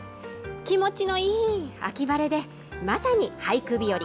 気持ちのいい秋晴れで、まさに俳句日和。